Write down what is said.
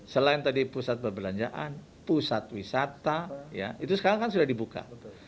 selain tadi pusat perbelanjaan pusat wisata ya itu sekarang kan sudah dibuka